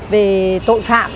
về tội phạm